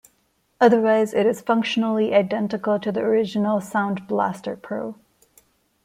Otherwise it is functionally identical to the original Sound Blaster Pro.